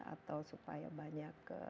atau supaya banyak